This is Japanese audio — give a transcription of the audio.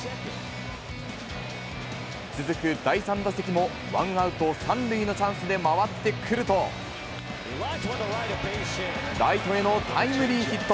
続く第３打席もワンアウト３塁のチャンスで回ってくると、ライトへのタイムリーヒット。